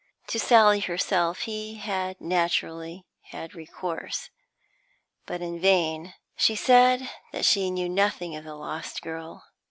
To Sally herself he had naturally had recourse, but in vain. She said that she knew nothing of the lost girl.